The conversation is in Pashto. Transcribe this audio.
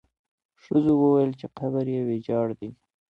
ښځو وویل چې قبر یې ویجاړ دی.